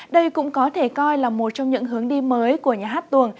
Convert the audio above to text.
đây cũng có thể coi là một trong những hướng đi mới của nhà hát tuồng